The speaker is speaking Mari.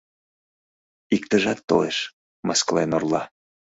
Иктыжат толеш — мыскылен орла